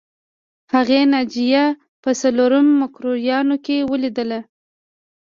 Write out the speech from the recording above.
هغې ناجیه په څلورم مکروریانو کې ولیدله